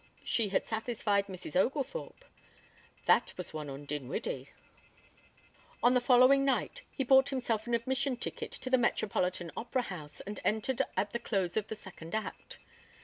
She had satisfied Mrs. Oglethorpe. That was one on Dinwiddie. On the following night he bought himself an admission ticket to the Metropolitan Opera House and entered at the close of the second act.